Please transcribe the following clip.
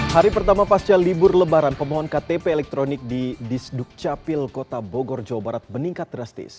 hari pertama pasca libur lebaran pemohon ktp elektronik di disduk capil kota bogor jawa barat meningkat drastis